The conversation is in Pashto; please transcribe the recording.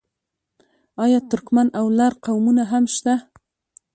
آیا ترکمن او لر قومونه هم نشته؟